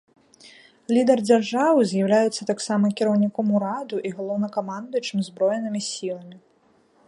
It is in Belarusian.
Лідар дзяржавы з'яўляецца таксама кіраўніком ураду і галоўнакамандуючым узброенымі сіламі.